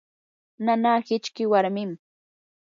nanaa hiqchi warmim.